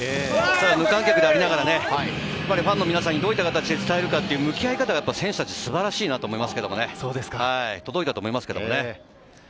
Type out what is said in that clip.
無観客でありながら、ファンの皆さんにどういった形で伝えるかという向き合い方が選手たち、素晴らしいなと思います。